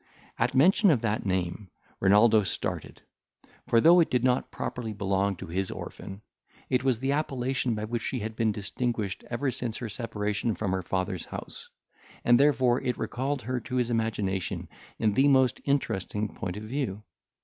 At mention of that name, Renaldo started; for though it did not properly belong to his orphan, it was the appellation by which she had been distinguished ever since her separation from her father's house, and therefore it recalled her to his imagination in the most interesting point of view.